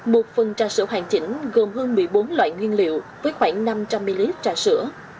một phần trà sữa hoàn chỉnh gồm hơn một mươi bốn loại nguyên liệu với khoảng năm trăm linh ml trà sữa